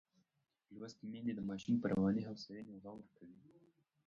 لوستې میندې د ماشوم پر رواني هوساینې غور کوي.